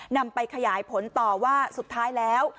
นำไปขยายผลต่อว่าสุดท้ายแล้ว